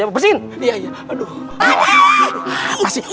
unturkan kedai sarartuk